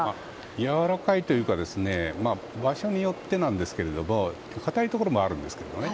やわらかいというか場所によってなんですがかたいところもあるんですけどね。